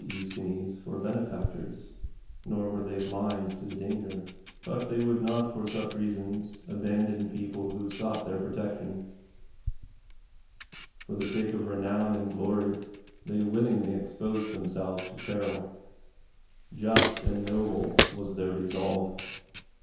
yEschines, for benefactors, nor were they blind to the danger ; but they would not for such rea DEMOSTHENES sons abandon people who sought their protec tion ; for the sake of renown and glory they willingly exposed themselves to peril; just and noble was their resolve